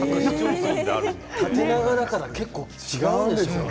縦長だから結構違うんでしょうね。